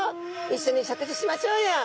いっしょに食事しましょうよ」。